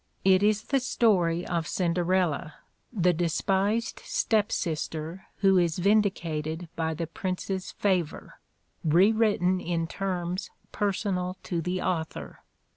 It is the story of Cin derella, the despised step sister who is vindicated by the prince's favor, rewritten in terms personal to the au thor.